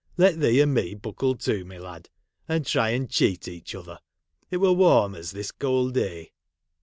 Let thee and me buckle to, my lad ! and try and cheat each other ; it will warm us this cold day.'